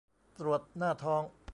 ตรวจหน้าท้อง